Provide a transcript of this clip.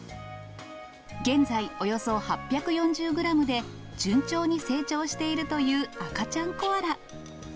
現在、およそ８４０グラムで、順調に成長しているという赤ちゃんコアラ。